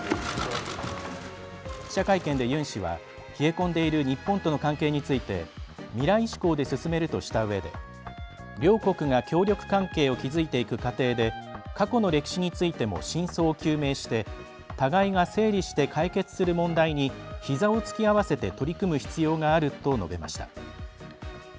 記者会見でユン氏は冷え込んでいる日本との関係について未来志向で進めるとしたうえで両国が協力関係を築いていく過程で過去の歴史についても真相を究明して互いが整理して解決する問題にひざをつき合わせて取り組む必要があると述べました。